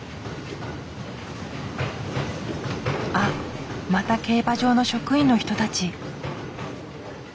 あっまた競馬場の職員の人たち。